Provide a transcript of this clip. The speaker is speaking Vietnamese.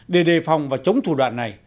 để đề phòng và chống thủ đoạn này